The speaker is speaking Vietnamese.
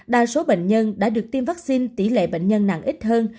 đa số bệnh nhân đã được tiêm vaccine tỷ lệ bệnh nhân nặng ít hơn